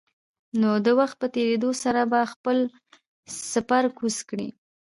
نو د وخت په تېرېدو سره به خپل سپر کوز کړي.